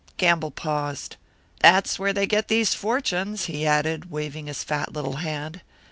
Gamble paused. "That's where they get these fortunes," he added, waving his fat little hand.